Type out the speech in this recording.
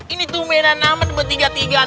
ini tuh beda nama bertiga tigaan